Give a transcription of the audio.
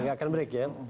nggak akan break ya